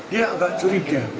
dia agak curiga